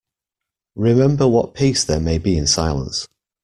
Remember what peace there may be in silence.